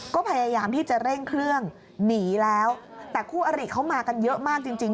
ก็พยายามที่จะเร่งเครื่องหนีแล้วแต่คู่อริเขามากันเยอะมากจริงจริง